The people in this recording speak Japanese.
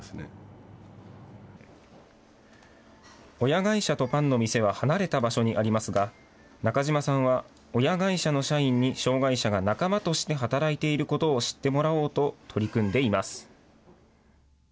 親会社とパンの店は離れた場所にありますが、中島さんは親会社の社員に障害者が仲間として働いていることを知ってもらおうと取り組んでいます。